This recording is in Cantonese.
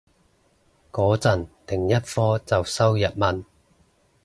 個陣另一科就修日文